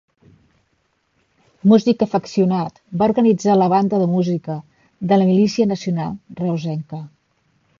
Músic afeccionat va organitzar la banda de música de la Milícia Nacional reusenca.